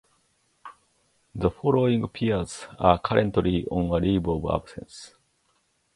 The following peers are currently on a leave of absence.